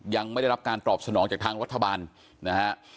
ยังไม่ได้รับการตอบสนองจากทางรัฐบาลนะฮะ